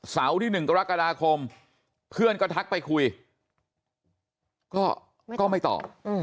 ที่๑กรกฎาคมเพื่อนก็ทักไปคุยก็ไม่ตอบ